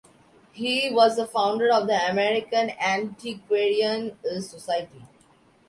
He was the founder of the American Antiquarian Society.